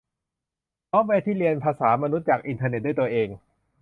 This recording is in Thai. ซอฟต์แวร์ที่เรียนภาษามนุษย์จากอินเทอร์เน็ตด้วยตัวเอง